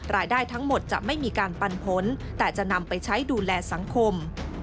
รายได้ทั้งหมดจะไม่มีการปันผลแต่จะนำไปใช้ดูแลสังคม